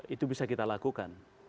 itu bisa kita lakukan